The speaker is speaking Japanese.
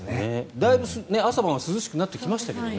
だいぶ朝晩は涼しくなってきましたけどね。